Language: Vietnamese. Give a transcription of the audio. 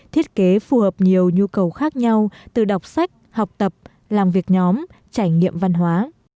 thiết kế phù hợp nhiều nhu cầu khác nhau từ đọc sách học tập làm việc nhóm trải nghiệm văn hóa